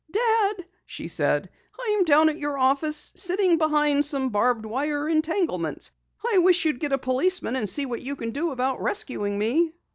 "Dad," she said, "I'm down at your office, sitting behind some barbed wire entanglements. I wish you'd get a policeman and see what you can do about rescuing me."